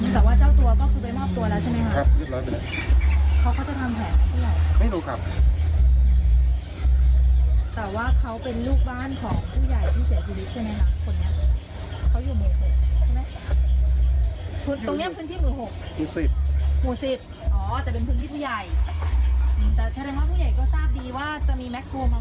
ผู้ใหญ่ก็ทราบดีว่าจะมีแม็คโครมาขุดตรงนี้ลอกคลองใช่ไหม